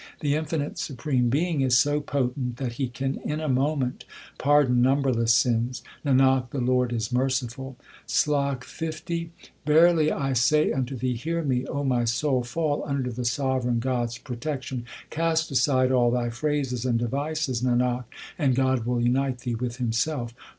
The infinite supreme Being is so potent, That He can in a moment pardon numberless sins : Nanak, the Lord is merciful. SLOK L Verily I say unto thee, hear me, O my soul, fall under the sovereign God s protection ; Cast aside all thy phrases and devices, Nanak, and God will unite thee with Himself.